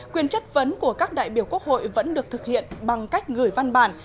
quyền chất vấn của các đại biểu quốc hội vẫn được thực hiện bằng cách gửi văn bản